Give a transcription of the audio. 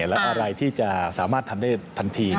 แล้วอะไรที่จะสามารถทำได้ทันที